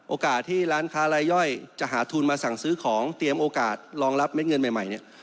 โอกาสที่ร้านค้ารายย่อยจะหาทุนมาสั่งซื้อของเตรียมโอกาสรองรับเม็ดเงินใหม่เนี่ย